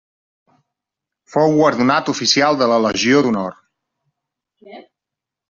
Fou guardonat Oficial de la Legió d'Honor.